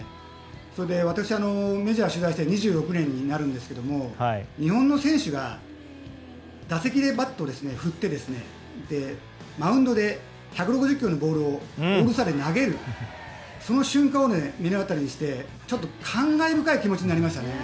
私はメジャーを取材して２６年になりますが日本の選手が打席でバットを振ってマウンドで１６０キロのボールをオールスターで投げるその瞬間を目の当たりにして感慨深い気持ちになりましたね。